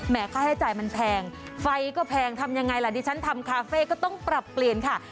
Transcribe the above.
ค่าใช้จ่ายมันแพงไฟก็แพงทำยังไงล่ะดิฉันทำคาเฟ่ก็ต้องปรับเปลี่ยนค่ะ